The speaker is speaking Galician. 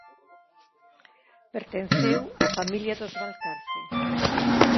Pertenceu á familia dos Valcarce.